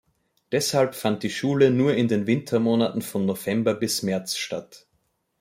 Deshalb fand die Schule nur in den Wintermonaten von November bis März statt.